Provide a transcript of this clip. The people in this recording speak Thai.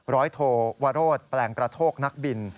ร้อยโทวรดแปลงกระโทกนักบิน